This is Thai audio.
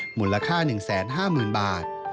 หมุนราคาหนึ่งแสนห้าหมื่นบาท